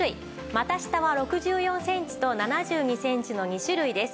股下は６４センチと７２センチの２種類です。